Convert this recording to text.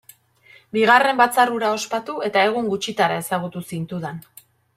Bigarren batzar hura ospatu, eta egun gutxitara ezagutu zintudan.